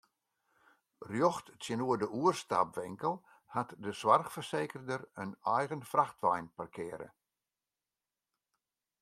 Rjocht tsjinoer de oerstapwinkel hat de soarchfersekerder in eigen frachtwein parkearre.